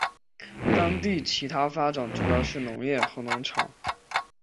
当地其它发展主要是农业和农场。